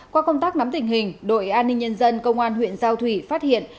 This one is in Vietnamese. qua công tác nắm tình hình đội an ninh nhân dân công an huyện giao thủy phát hiện